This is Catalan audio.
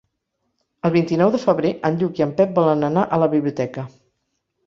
El vint-i-nou de febrer en Lluc i en Pep volen anar a la biblioteca.